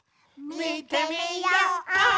「みてみよう！」